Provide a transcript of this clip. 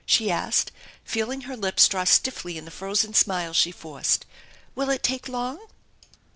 '* she asked, feeling her lips draw stiffly in the frozen smile she forced. " Will it take long